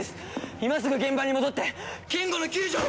今すぐ現場に戻ってケンゴの救助を！